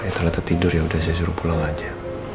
ternyata tidur yaudah saya suruh pulang aja